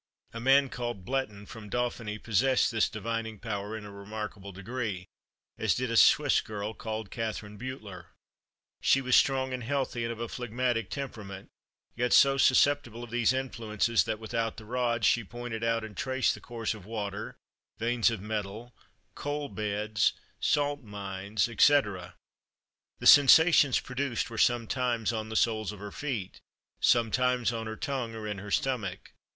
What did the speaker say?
A man, called Bleton, from Dauphiny, possessed this divining power in a remarkable degree, as did a Swiss girl, called Katherine Beutler. She was strong and healthy, and of a phlegmatic temperament, yet so susceptible of these influences that, without the rod, she pointed out and traced the course of water, veins of metal, coal beds, salt mines, &c. The sensations produced were sometimes on the soles of her feet, sometimes on her tongue, or in her stomach.